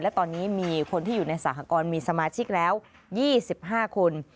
และตอนนี้มีคนที่อยู่ในสหกรณ์มีสมาชิกแล้ว๒๕คน